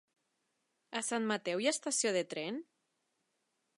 A Sant Mateu hi ha estació de tren?